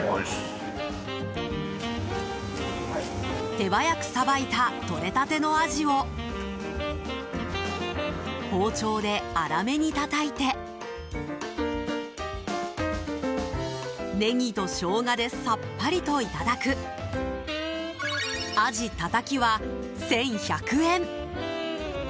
手早くさばいたとれたてのアジを包丁で粗めにたたいてネギとショウガでさっぱりといただくあじたたきは１１００円。